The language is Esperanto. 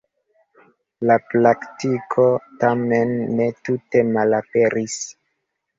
La praktiko, tamen, ne tute malaperis.